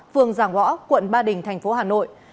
phường giảng võ quận ba đình tp hà nội